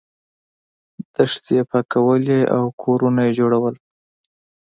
دښتې یې پاکولې او کورونه یې جوړول.